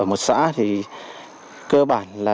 ở một xã thì cơ bản là